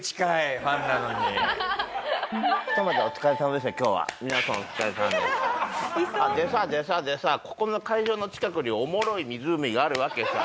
でさでさでさここの会場の近くにおもろい湖があるわけさ！